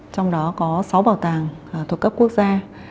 trong đó có sáu bảo tàng thuộc các quốc gia